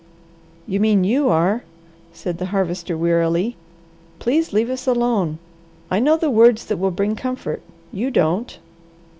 "You mean you are," said the Harvester wearily. "Please leave us alone. I know the words that will bring comfort. You don't."